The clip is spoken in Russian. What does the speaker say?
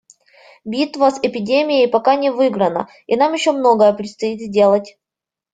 Битва с эпидемией пока не выиграна, и нам еще многое предстоит сделать.